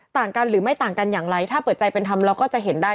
ต่างกันหรือไม่ต่างกันอย่างไรถ้าเปิดใจเป็นธรรมเราก็จะเห็นได้